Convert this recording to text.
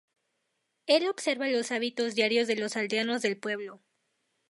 Él observa los hábitos diarios de los aldeanos del pueblo.